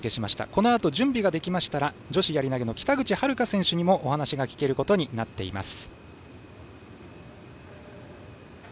このあと準備ができましたら女子やり投げの北口榛花選手にもお話が聞けることになっています。